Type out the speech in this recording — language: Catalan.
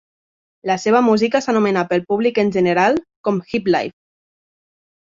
La seva música s'anomena pel públic en general com hiplife.